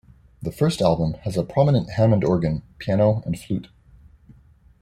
The first album has a prominent Hammond organ, piano and flute.